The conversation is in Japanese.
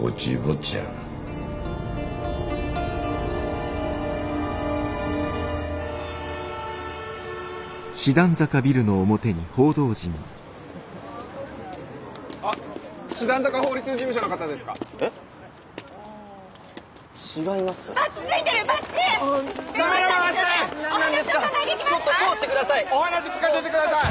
ちょっと通してください。